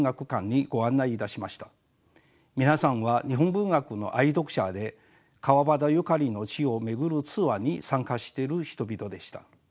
皆さんは日本文学の愛読者で川端ゆかりの地を巡るツアーに参加している人々でした。